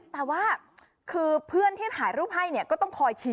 แต่ว่าคือเพื่อนที่ถ่ายรูปให้เนี่ยก็ต้องคอยชี้